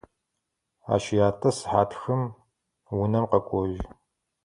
Ащ ятэ сыхьат хым унэм къэкӏожьы.